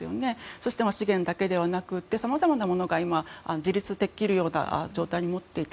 そして資源だけではなくてさまざまなものが今自立できるような状態に持っていった。